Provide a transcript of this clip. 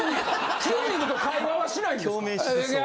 筋肉と会話はしないんですか？